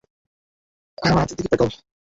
আমার হাতের দিকে তাকাও।